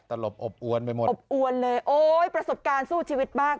แต่หลบอบอวนไปหมดประสบการณ์สู้ชีวิตมาก